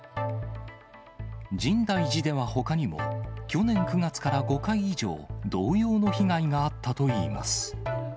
深大寺ではほかにも、去年９月から５回以上、同様の被害があったといいます。